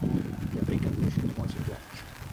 Hja drinke en dûnsje en meitsje it let.